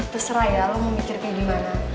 terserah ya lo mau mikir kayak gimana